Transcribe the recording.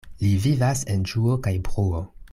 Li vivas en ĝuo kaj bruo.